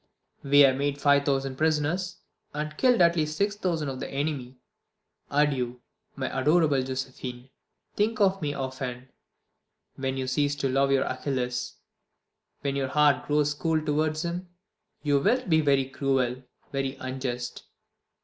We have made five thousand prisoners, and killed at least six thousand of the enemy. Adieu, my adorable Josephine. Think of me often. When you cease to love your Achilles, when your heart grows cool towards him, you wilt be very cruel, very unjust.